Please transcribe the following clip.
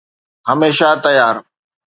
هميشه تيار